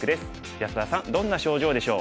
安田さんどんな症状でしょう？